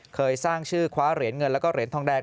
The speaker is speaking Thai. เคยสร้างชื่อคว้าเหรียญเงินแล้วก็เหรียญทองแดง